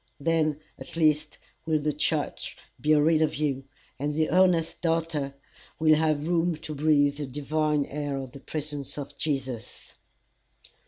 Then at least will the church be rid of you, and the honest doubter will have room to breathe the divine air of the presence of Jesus.